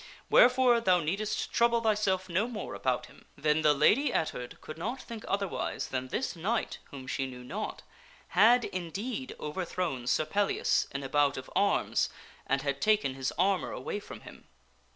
Wherefore thou needst trouble thyself no more about him." Then the Lady Ettard could not think otherwise than this knight (whom she knew not) had indeed overthrown Sir Pellias in a bout of arms, and had taken his armor away from him.